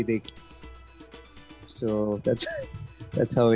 jadi itu bagaimana